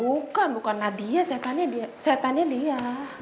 bukan bukan nadia setannya dia